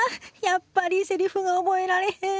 やっぱりセリフが覚えられへん！